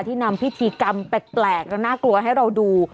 นำพิธีกรรมแปลกและน่ากลัวให้เราดู